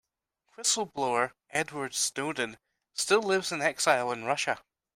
Whistle-blower Edward Snowden still lives in exile in Russia.